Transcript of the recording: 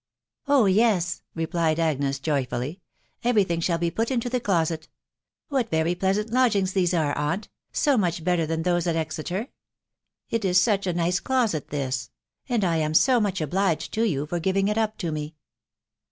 " Oh yes !" replied Agnes joyfully, te every thing shall be put into the closet. What very pleasant lodgings these are, aunt *... sot much better than those at Exeter ! It is such a nice closet this, and I am so much obliged to yon for giving it up to me